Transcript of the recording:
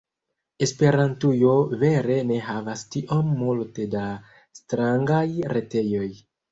Esperantujo vere ne havas tiom multe da strangaj retejoj.